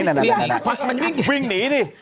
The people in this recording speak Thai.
วิ่งหนีนี่